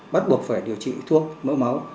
bắt buộc phải điều trị thuốc mỡ máu